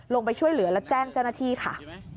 ลงไปช่วยเหลือและแจ้งเจ้าหน้าที่ค่ะ